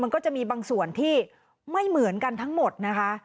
มันก็จะมีบางส่วนที่ไม่เหมือนกันทั้งหมดนะคะ